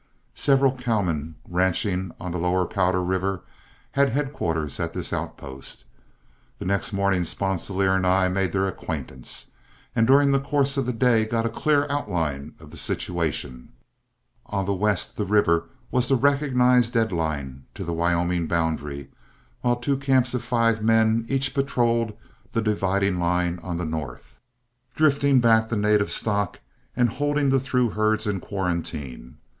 Several cowmen, ranching on the lower Powder River, had headquarters at this outpost. The next morning Sponsilier and I made their acquaintance, and during the course of the day got a clear outline of the situation. On the west the river was the recognized dead line to the Wyoming boundary, while two camps of five men each patroled the dividing line on the north, drifting back the native stock and holding the through herds in quarantine.